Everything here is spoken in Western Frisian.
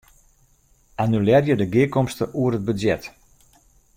Annulearje de gearkomste oer it budzjet.